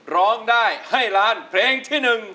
ร้องได้ให้ล้านเพลงที่๑